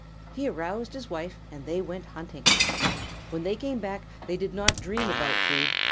He aroused his wife and they went hunting. When they came back they did not dream about food.